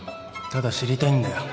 ただ知りたいんだよ。